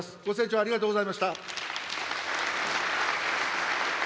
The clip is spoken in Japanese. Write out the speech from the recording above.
ご清聴ありがとうございました。